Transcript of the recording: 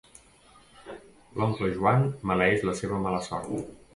L'oncle Joan maleeix la seva mala sort.